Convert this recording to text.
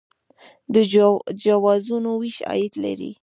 د جوازونو ویش عاید لري